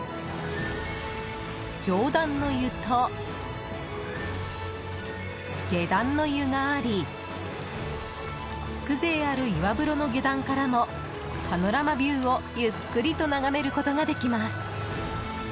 上段の湯と下段の湯があり風情ある岩風呂の下段からもパノラマビューをゆっくりと眺めることができます。